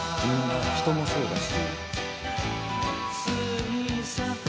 人もそうだし。